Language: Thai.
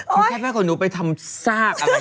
เอาแค่ผ้าขนหนูไปทำซากอะไร